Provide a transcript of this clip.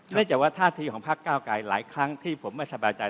เนื่องจากว่าท่าทีของพักเก้าไกลหลายครั้งที่ผมไม่สบายใจ